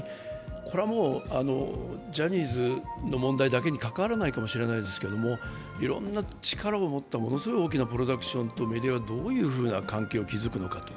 これはジャニーズの問題だけに関わらないかもしれないですけれども、いろんな力を持ったものすごい大きなプロダクションとメディアがどういうふうな関係を築くのかと。